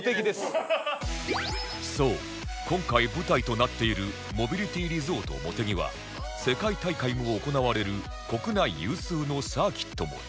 そう今回舞台となっているモビリティリゾートもてぎは世界大会も行われる国内有数のサーキットも併設